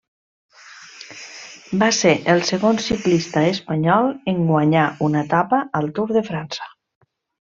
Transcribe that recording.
Va ser el segon ciclista espanyol en guanyar una etapa al Tour de França.